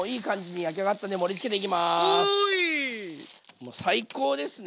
もう最高ですね。